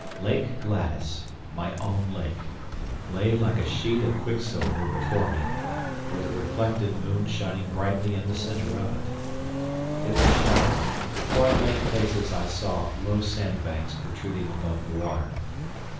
Lake Gladys my own lake lay like a sheet of quicksilver before me, with a reflected moon shining brightly in the center of it. It was shallow, for in many places I saw low sandbanks protruding above the water.